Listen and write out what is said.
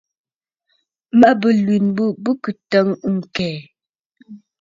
Màa bə nlwèn bǔ kɨ təŋ ɨkɛʼɛ?